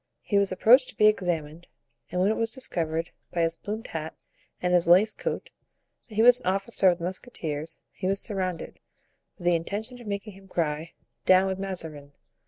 He was approached to be examined, and when it was discovered by his plumed hat and his laced coat, that he was an officer of the musketeers, he was surrounded, with the intention of making him cry, "Down with Mazarin!"